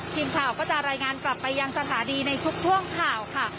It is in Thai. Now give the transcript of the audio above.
ทีมข่าวก็จะรายงานกลับไปยังสถานีในทุกท่วงข่าวค่ะ